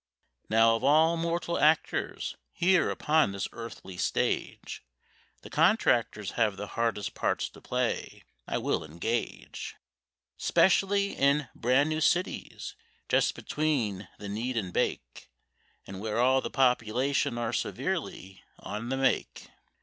Now, of all our mortal actors here upon this earthly stage, The contractors have the hardest parts to play, I will engage; Specially in bran new cities, just between the knead and bake, And where all the population are severely on the make.